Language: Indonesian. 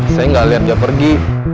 saya gak liat dia pergi